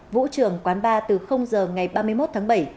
vũ trường quán bar từ giờ ngày ba mươi một tháng bảy